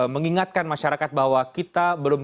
mengingatkan masyarakat bahwa kita belum